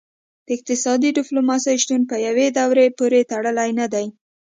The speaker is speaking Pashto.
د اقتصادي ډیپلوماسي شتون په یوې دورې پورې تړلی نه دی